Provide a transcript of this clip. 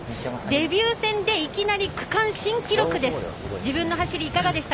デビュー戦でいきなり区間新記録です。